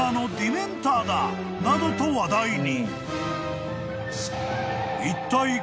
［などと話題に］